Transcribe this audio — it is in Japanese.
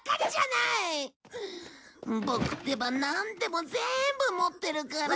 ボクってばなんでも全部持ってるから。